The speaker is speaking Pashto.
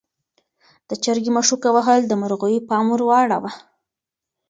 د چرګې مښوکه وهل د مرغیو پام ور واړاوه.